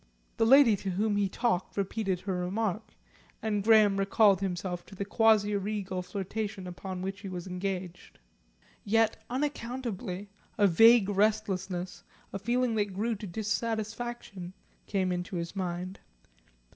The lady to whom he talked repeated her remark, and Graham recalled himself to the quasi regal flirtation upon which he was engaged. Yet, unaccountably, a vague restlessness, a feeling that grew to dissatisfaction, came into his mind.